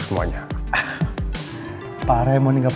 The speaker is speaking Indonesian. pak raymond gak pernah berhubungan dengan saya